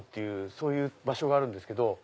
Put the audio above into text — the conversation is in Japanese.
そういう場所があるんですけど。